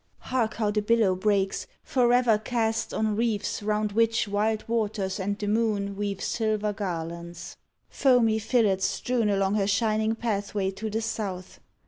Hark how the billow breaks, Forever cast On reefs round which wild waters and the moon Weave silver garlands — foamy fillets strewn Along her shining pathway to the South!